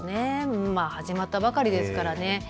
始まったばかりですから。